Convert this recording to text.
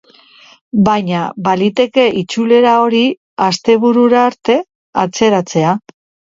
Baina, baliteke itzulera hori asteburura arte atzeratzea.